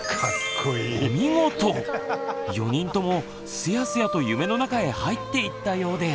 ４人ともすやすやと夢の中へ入っていったようです。